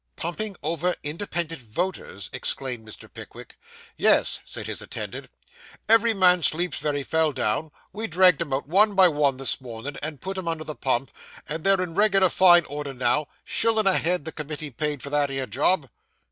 'Pumping over independent voters!' exclaimed Mr. Pickwick. 'Yes,' said his attendant, 'every man slept vere he fell down; we dragged 'em out, one by one, this mornin', and put 'em under the pump, and they're in reg'lar fine order now. Shillin' a head the committee paid for that 'ere job.